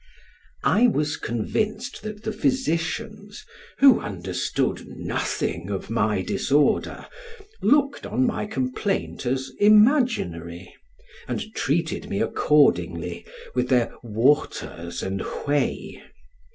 I was convinced that the physicians (who understood nothing of my disorder) looked on my complaint as imaginary, and treated me accordingly, with their waters and whey.